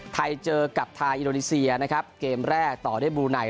ไทยเจอกับทางอินโดนีเซียนะครับเกมแรกต่อด้วยบลูไน